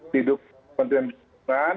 hidup konten beran